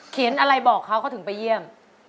เขียนอะไรบอกเขาก็ถึงไปเยี่ยม